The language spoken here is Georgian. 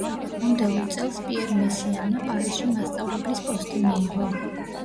მომდევნო წელს პიერ მესიანმა პარიზში მასწავლებლის პოსტი მიიღო.